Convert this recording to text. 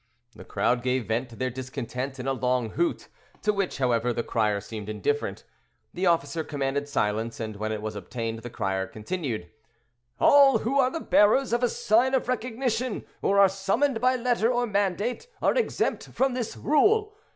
The crowd gave vent to their discontent in a long hoot, to which, however, the crier seemed indifferent. The officer commanded silence, and when it was obtained, the crier continued: "All who are the bearers of a sign of recognition, or are summoned by letter or mandate, are exempt from this rule.